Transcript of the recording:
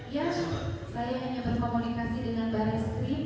iya saya hanya berkomunikasi dengan barang skrip